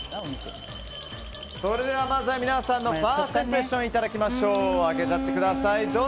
それではまずは皆さんのファーストインプレッションいただきましょう。